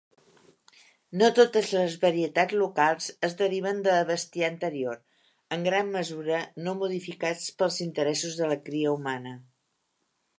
No totes les varietats locals es deriven de bestiar anterior, en gran mesura no modificats pels interessos de la cria humana.